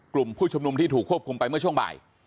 กลุ่มผู้ชุมนุมที่ถูกควบคุมไปเมื่อช่วงบ่าย